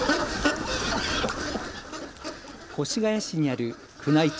越谷市にある宮内庁